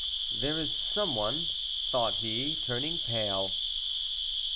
"There is some one," thought he, turning pale.